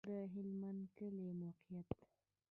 د هلمند کلی موقعیت